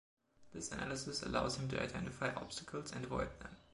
This analysis allows him to identify obstacles and avoid them.